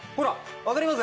わかります？